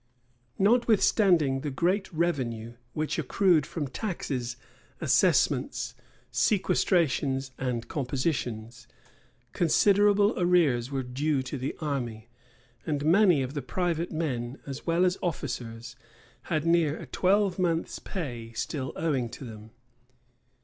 Notwithstanding the great revenue which accrued from taxes, assessments, sequestrations, and compositions, considerable arrears were due to the army; and many of the private men, as well as officers, had near a twelvemonth's pay still owing them.